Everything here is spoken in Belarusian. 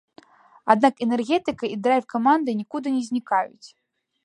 Аднак энергетыка і драйв каманды нікуды не знікаюць.